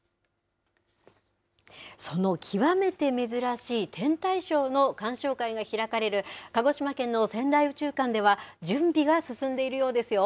その極めて珍しい天体ショーの鑑賞会が開かれる、鹿児島県のせんだい宇宙館では、準備が進んでいるようですよ。